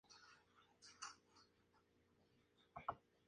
Les han cortado la luz y sólo tienen agua.